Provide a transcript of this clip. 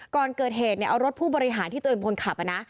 ก่อนเกิดเหตุเนี้ยเอารถผู้บริหารที่ตัวเองบนขับนะ